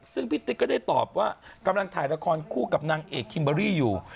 ซึ่งพี่ติ๊กก็ได้ตอบว่ากำลังถ่ายละครคู่กับนางเอกคิมเบอรี่อยู่